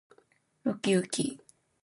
うきうき